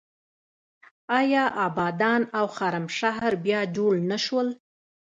آیا ابادان او خرمشهر بیا جوړ نه شول؟